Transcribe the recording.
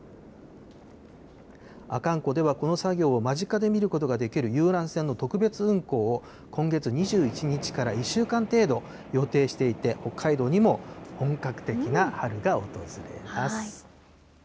阿寒湖ではこの作業を間近で見ることができる遊覧船の特別運航を、今月２１日から１週間程度予定していて、北海道にも本格的な春が訪れます。